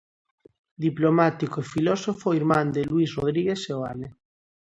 Diplomático e filósofo, irmán de Luís Rodríguez Seoane.